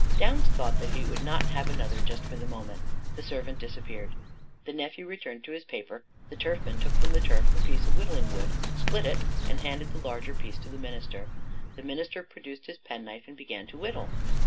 Downs thought that he would not have another just for the moment: the servant disappeared. The nephew returned to his paper. The turfman took from the turf a piece of whittling wood, split it, and handed the larger piece to the minister. The minister produced his penknife and began to whittle.